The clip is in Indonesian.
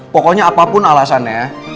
pokoknya apapun alasannya